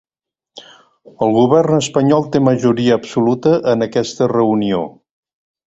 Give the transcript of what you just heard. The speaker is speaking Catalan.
El govern espanyol té majoria absoluta en aquesta reunió